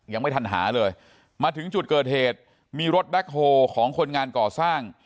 ยังไม่ทันหาเลยมาถึงจุดเกิดเหตุมีรถแบ็คโฮของคนงานก่อสร้าง